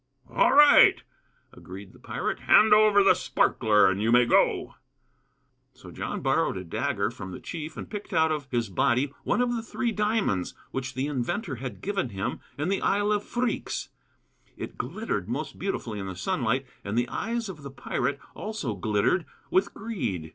"All right," agreed the pirate; "hand over the sparkler and you may go." So John borrowed a dagger from the chief and picked out of his body one of the three diamonds which the inventor had given him in the Isle of Phreex. It glittered most beautifully in the sunlight, and the eyes of the pirate also glittered with greed.